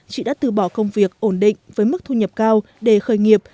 chị đã từ bỏ công việc ổn định với mức thu nhập cao để khởi nghiệp